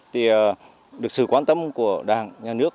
thì được sự quan tâm của đảng nhà nước